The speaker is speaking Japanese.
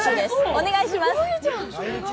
お願いします。